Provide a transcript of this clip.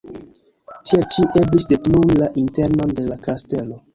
Tiel ĉi eblis detrui la internon de la kastelo.